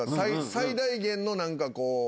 最大限のなんかこう。